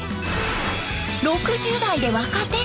６０代で若手？